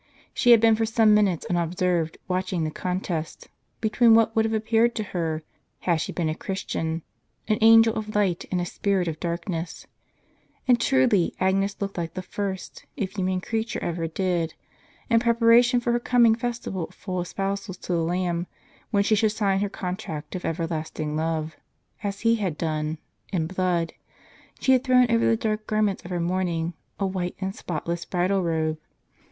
She had been for some minutes unobserved watching the contest, between what would have appeared to her, had she been a Christian, an angel of light and a spirit of darkness; and truly Agnes looked like the first, if human creature ever did. In preparation for her coming festival of full espousals to the Lamb, when she should sign her contract of everlasting love, *" Mecum enim habeo custodem corporis mei, Angelum Domiui." Tlie Bre viary. 475 ^ as He had done, in blood, she had thrown over the dark gar ments of her mourning a white and spotless bridal robe.